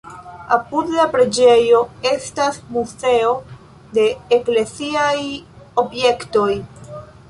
Apud la preĝejo estas muzeo de ekleziaj objektoj.